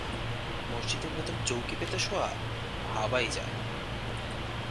মসজিদের ভেতর চৌকি পেতে শোয়া-ভাবাই যায় না।